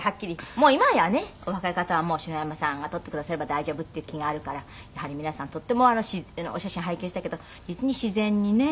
「もう今やねお若い方はもう篠山さんが撮ってくだされば大丈夫っていう気があるからやはり皆さんとってもお写真拝見したけど実に自然にね」